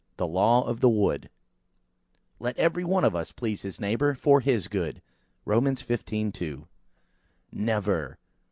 THE LAW OF THE WOOD "Let every one of us please his neighbour for his good."–ROM. xv. 2. "NEVER!"